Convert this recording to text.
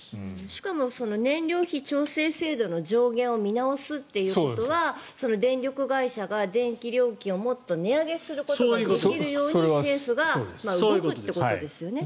しかも燃料費調整制度の上限を見直すということは電力会社が電気料金をもっと値上げすることができるように政府が動くってことですよね。